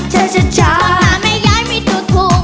คนหาไม่ย้ายมีตัวถูก